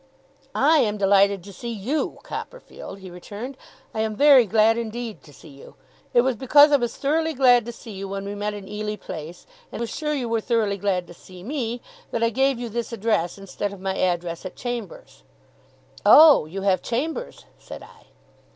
'I am delighted to see YOU, Copperfield,' he returned. 'I am very glad indeed to see you. It was because I was thoroughly glad to see you when we met in Ely Place, and was sure you were thoroughly glad to see me, that I gave you this address instead of my address at chambers.' 'Oh! You have chambers?' said I.